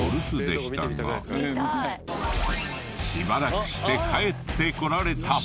しばらくして帰ってこられた。